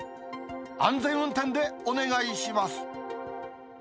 安全運転でお願いします。